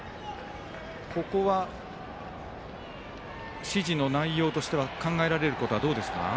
ここは、指示の内容としては考えられることはどうですか？